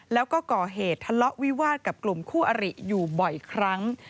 แล้วก็ก่อเหตุทะเลาะวิวาสกับกลุ่มคู่อริอยู่บ่อยครั้ง